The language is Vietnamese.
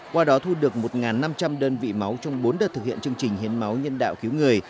qua đó thu được một năm trăm linh đơn vị máu trong bốn đợt thực hiện chương trình hiến máu nhân đạo cứu người